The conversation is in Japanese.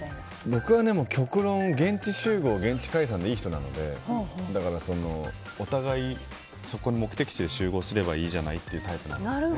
僕は極論現地集合現地解散でいい人なのでお互い、目的地で集合すればいいじゃないってタイプなんです。